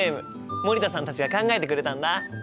森田さんたちが考えてくれたんだ！